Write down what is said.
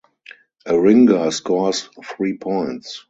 A ringer scores three points.